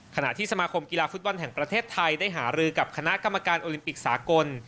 ขณะที่สมาคมกีฬาฟุตบอลแห่งประเทศไทยได้หารือกับคณะกรรมการโอลิมปิกสากล